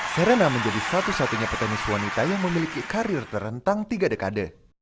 serena menjadi satu satunya petenis wanita yang memiliki karir terentang tiga dekade